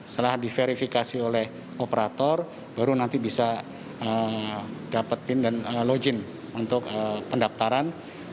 setelah diverifikasi oleh operator baru nanti bisa dapat pin dan login untuk pendaftaran